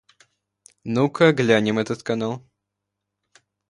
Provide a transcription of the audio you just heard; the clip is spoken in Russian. Ну-ка глянем этот канал.